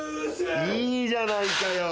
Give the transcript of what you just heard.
いいじゃないかよ。